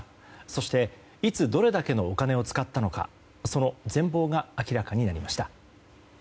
そして、いつどれだけのお金を使ったのかその全貌が明らかになりました。